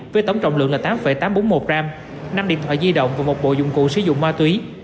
với tổng trọng lượng là tám tám trăm bốn mươi một g năm điện thoại di động và một bộ dụng cụ sử dụng ma túy